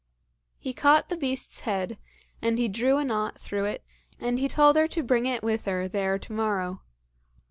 He caught the beast's head, and he drew a knot through it, and he told her to bring it with her there to morrow.